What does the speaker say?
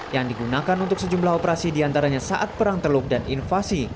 yang digunakan untuk sejumlah operasi diantaranya saat perang teluk dan invasi